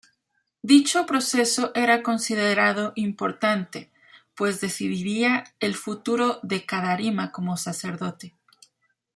Dicho proceso era considerado importante, pues decidiría el futuro de Karadima como sacerdote.